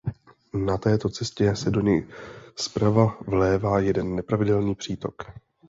Na této cestě se do něj zprava vlévá jeden nepravidelný přítok.